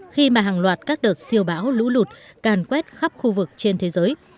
khi mà hàng loạt các đợt siêu bão lũ lụt càn quét khắp khu vực trên thế giới